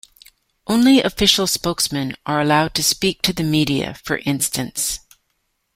Only official spokesmen are allowed to speak to the media, for instance.